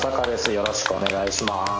よろしくお願いします。